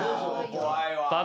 怖いわ。